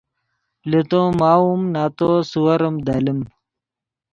لے تو ماؤم نتو سیورم دلیم